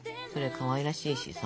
かわいらしいしさ。